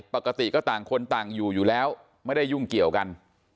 ปกติก็ต่างคนต่างอยู่อยู่แล้วไม่ได้ยุ่งเกี่ยวกัน